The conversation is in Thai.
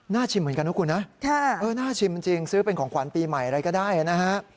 ชิมเหมือนกันนะคุณนะน่าชิมจริงซื้อเป็นของขวัญปีใหม่อะไรก็ได้นะฮะ